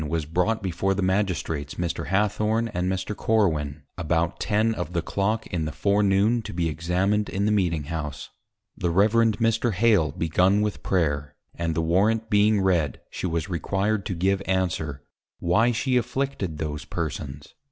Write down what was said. _ was brought before the Magistrates Mr. Hathorne and Mr. Corwin, about Ten of the Clock in the Forenoon, to be Examined in the Meeting House, the Reverend Mr. Hale begun with Prayer, and the Warrant being read, she was required to give Answer, _Why she afflicted those persons?